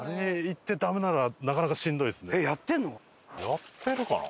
やってるかな？